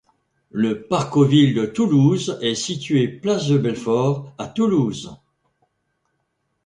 Le parcoville de Toulouse est situé Place de Belfort à Toulouse.